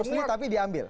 maksudnya tapi diambil